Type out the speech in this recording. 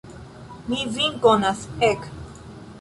Mi vin konas, ek!